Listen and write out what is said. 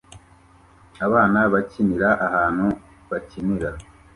Abana bakinira ahantu bakinira